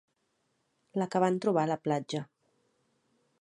La que van trobar a la platja.